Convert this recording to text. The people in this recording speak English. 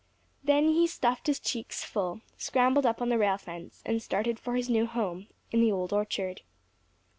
Then he stuffed his cheeks full, scrambled up on the rail fence, and started for his new home in the Old Orchard.